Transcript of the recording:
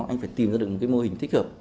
anh phải tìm ra được một cái mô hình thích hợp